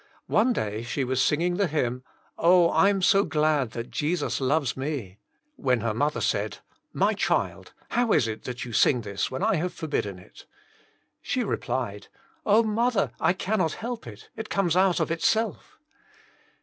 One day she was singing the hymn Oh, I' m so glad that Jesus loves me," when her mother said, My child, how is it that you sing this when I have 64 Jesus Himself, forbidden it?" She replied, ''Oh, mother, I cannot help it ; it comes out of itself."